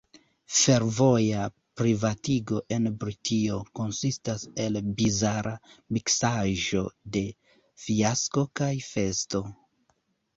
Fervoja privatigo en Britio konsistas el bizara miksaĵo de fiasko kaj festo.